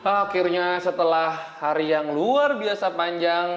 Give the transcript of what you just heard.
akhirnya setelah hari yang luar biasa panjang